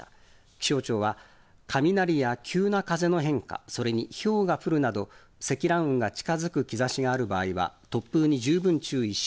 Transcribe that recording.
気象庁は、雷や急な風の変化、それにひょうが降るなど、積乱雲が近づく兆しがある場合は、突風に十分注意し、